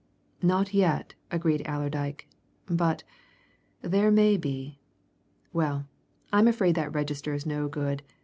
"Not yet," agreed Allerdyke. "But there may be. Well, I'm afraid that register is no good.